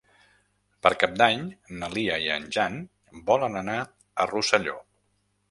Per Cap d'Any na Lia i en Jan volen anar a Rosselló.